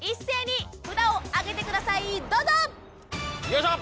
よいしょ！